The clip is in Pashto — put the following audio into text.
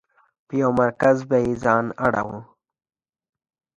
پر یو مرکز به یې ځان اړوه.